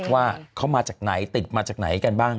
ว่าเขามาจากไหนติดมาจากไหนกันบ้าง